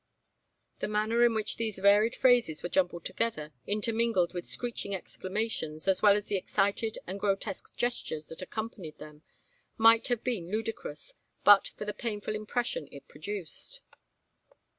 The manner in which these varied phrases were jumbled together, intermingled with screeching exclamations, as well as the excited and grotesque gestures that accompanied them, might have been ludicrous, but for the painful impression it produced.